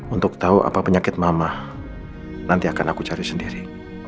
untuk tahu apa penyakit mama nanti akan aku cari sendiri